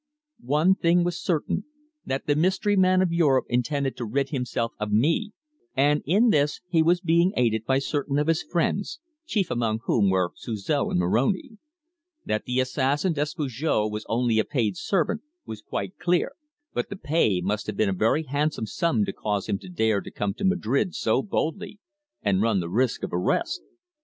One thing was certain, that the mystery man of Europe intended to rid himself of me, and in this he was being aided by certain of his friends, chief among whom were Suzor and Moroni. That the assassin Despujol was only a paid servant was quite clear. But the pay must have been a very handsome sum to cause him to dare to come to Madrid so boldly and run the risk of arrest.